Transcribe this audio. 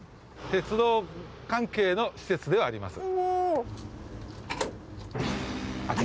鉄道関係の施設ではあります。